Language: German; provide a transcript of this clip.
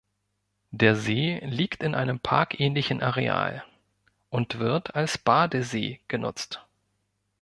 Der See liegt in einem parkähnlichen Areal und wird als Badesee genutzt.